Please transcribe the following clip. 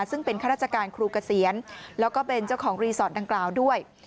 ซึ่งเป็นข้าราชการครูเกษียณแล้วก็เป็นเจ้าของรีสอร์ทดังกล่าวด้วย